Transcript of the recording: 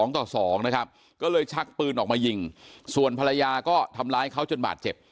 ต่อ๒นะครับก็เลยชักปืนออกมายิงส่วนภรรยาก็ทำร้ายเขาจนบาดเจ็บ